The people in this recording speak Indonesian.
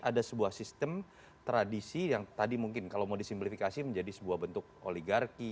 ada sebuah sistem tradisi yang tadi mungkin kalau mau disimplifikasi menjadi sebuah bentuk oligarki